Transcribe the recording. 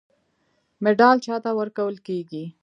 مډال چا ته ورکول کیږي؟